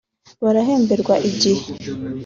barahemberwa igihe